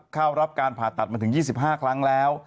เข้ารับการผ่าตัดมาถึง๒๕ครั้งแล้ว